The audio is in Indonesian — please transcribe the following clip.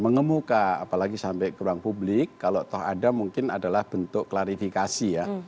mengemuka apalagi sampai ke ruang publik kalau toh ada mungkin adalah bentuk klarifikasi ya